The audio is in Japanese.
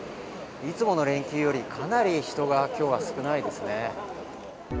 いつもの連休よりかなり人が今日は少ないですね。